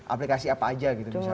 aplikasi apa aja gitu misalnya